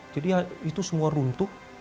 jadi itu semua runtuh